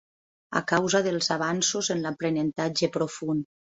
A causa dels avanços en l'aprenentatge profund.